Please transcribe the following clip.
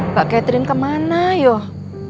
mbak catherine kemana yoh